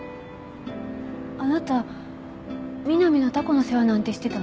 あなた美波のタコの世話なんてしてたの？